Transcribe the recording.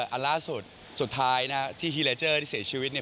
อันล่าสุดสุดท้ายนะที่ฮีเลเจอร์ที่เสียชีวิตเนี่ย